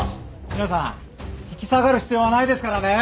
皆さん引き下がる必要はないですからね。